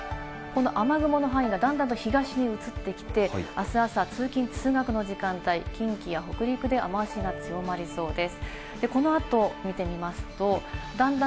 さらにあすになりますとこの雨雲の範囲が段々と東に移ってきて、あす朝、通勤・通学の時間帯、近畿や北陸で雨脚が強まりそうです。